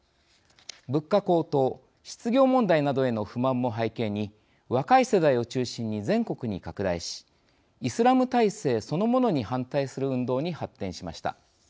物価高騰、失業問題などへの不満も背景に若い世代を中心に全国に拡大しイスラム体制そのものに反対する運動に発展しました。